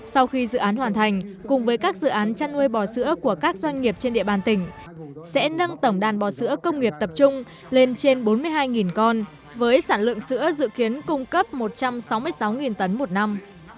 sau khi dự án hoàn thành cùng với các dự án chăn nuôi bò sữa của các doanh nghiệp trên địa bàn tỉnh sẽ nâng tổng đàn bò sữa công nghiệp tập trung lên trên bốn mươi hai con với sản lượng sữa dự kiến cung cấp một trăm sáu mươi sáu tấn một năm